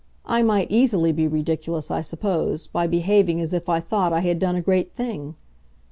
I might easily be ridiculous, I suppose, by behaving as if I thought I had done a great thing.